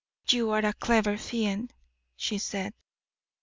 "You are a clever fiend," she said.